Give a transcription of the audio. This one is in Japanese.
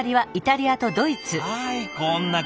はいこんな感じ。